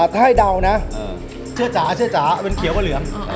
ถ้าให้เดานะเชื่อจ๋าเป็นเขียวก็เหลือง